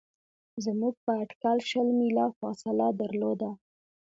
زموږ په اټکل شل میله فاصله درلوده.